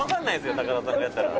高田さんがやったら」